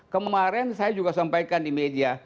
kemarin saya juga sampaikan di media